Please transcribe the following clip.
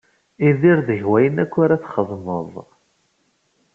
Idir deg wayen akk ara txedmeḍ.